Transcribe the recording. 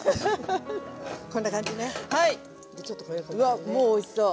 うわっもうおいしそう。